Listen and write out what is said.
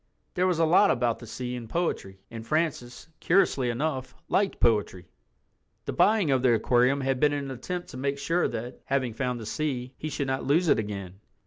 There was a lot about the sea in poetry, and Francis, curiously enough, liked poetry. The buying of the aquarium had been an attempt to make sure that, having found the sea, he should not lose it again.